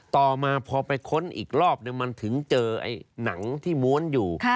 ต่อมาพอไปค้นอีกรอบนึงมันถึงเจอหนังที่ม้วนอยู่